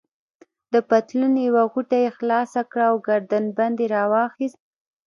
د پتلون یوه غوټه يې خلاصه کړه او ګردن بند يې راوایست.